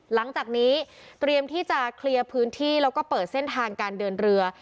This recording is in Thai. หลังจากนี้เตรียมที่จะเคลียร์พื้นที่แล้วก็เปิดเส้นทางการเดินเรือ